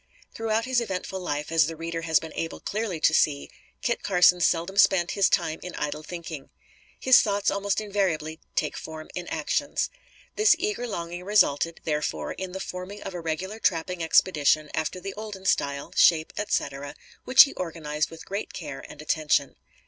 Throughout his eventful life, as the reader has been able clearly to see, Kit Carson seldom spent his time in idle thinking. His thoughts almost invariably take form in actions. This eager longing resulted, therefore, in the forming of a regular trapping expedition after the olden style, shape, etc, which he organized with great care and attention.